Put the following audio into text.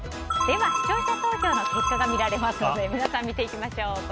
では、視聴者投票の結果が見られますので皆さん、見ていきましょう。